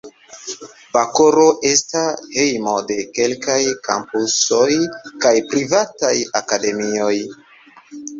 Bakoro esta hejmo de kelkaj kampusoj kaj privataj akademioj.